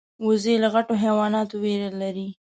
وزې له غټو حیواناتو ویره لري